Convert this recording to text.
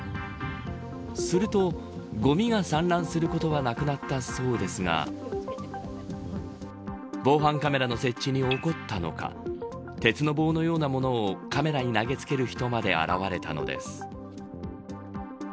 すると、ごみが散乱することはなくなったそうですが防犯カメラの設置に怒ったのか鉄の棒のようなものをカメラに投げつける人まで現れたのです。